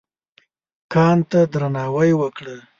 کان ته درناوی وکړه.